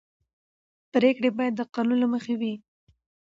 پرېکړې باید د قانون له مخې وي